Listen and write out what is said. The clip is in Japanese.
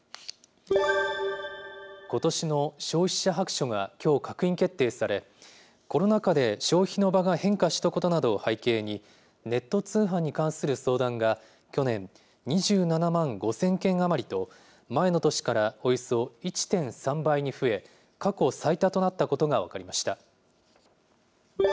ことしの消費者白書がきょう閣議決定され、コロナ禍で消費の場が変化したことなどを背景に、ネット通販に関する相談が去年、２７万５０００件余りと、前の年からおよそ１．３倍に増え、過去最多となったことが分かりました。